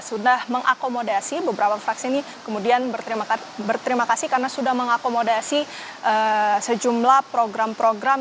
sudah mengakomodasi beberapa fraksi ini kemudian berterima kasih karena sudah mengakomodasi sejumlah program program